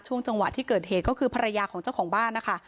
จังหวะที่เกิดเหตุก็คือภรรยาของเจ้าของบ้านนะคะ